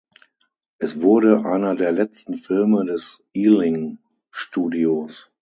Es wurde einer der letzten Filme des Ealing-Studios.